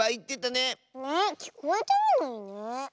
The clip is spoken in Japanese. ねえきこえてるのにね。